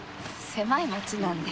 狭い町なんで。